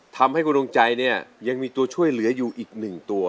ทำให้คุณดวงใจเนี่ยยังมีตัวช่วยเหลืออยู่อีกหนึ่งตัว